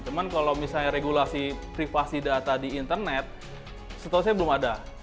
cuma kalau misalnya regulasi privasi data di internet setahu saya belum ada